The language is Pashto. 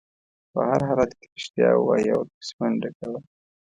په هر حالت کې رښتیا ووایه او ورپسې منډه کوه.